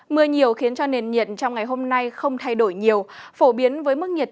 mưa nhiều khiến cho nền nhiệt trong ngày hôm nay không thay đổi nhiều phổ biến với mức nhiệt